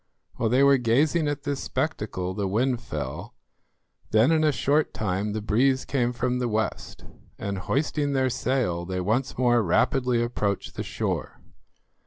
While they were gazing at this spectacle the wind fell; then in a short time the breeze came from the west, and hoisting their sail they once more rapidly approached the shore.